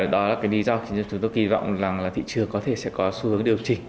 đó là cái lý do chúng tôi kỳ vọng là thị trường có thể sẽ có xu hướng điều chỉnh